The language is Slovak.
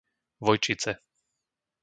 Vojčice